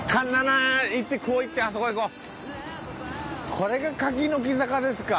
これが柿の木坂ですか。